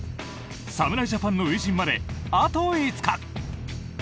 侍ジャパンの初陣まであと５日。